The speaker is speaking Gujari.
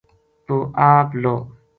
توہ آپ لہو‘‘